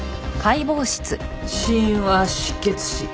死因は失血死。